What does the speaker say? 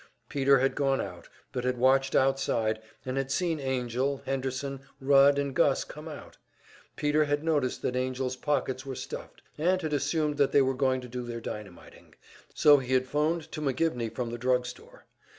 Peter had gone out, but had watched outside, and had seen Angell, Henderson, Rudd and Gus come out. Peter had noticed that Angell's pockets were stuffed, and had assumed that they were going to do their dynamiting, so he had phoned to McGivney from the drug store.